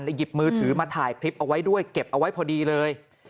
หยิบมือถือมาถ่ายคลิปเอาไว้ด้วยเก็บเอาไว้พอดีเลย